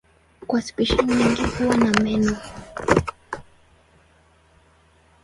Kwa spishi nyingi huwa na meno.